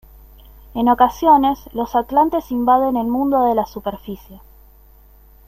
En ocasiones, los atlantes invaden el mundo de la superficie.